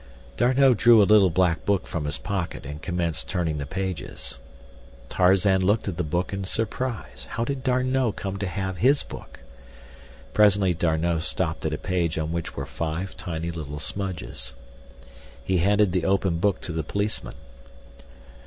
D'Arnot drew a little black book from his pocket and commenced turning the pages. Tarzan looked at the book in surprise. How did D'Arnot come to have his book? Presently D'Arnot stopped at a page on which were five tiny little smudges. He handed the open book to the policeman.